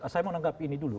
saya mau menanggapi ini dulu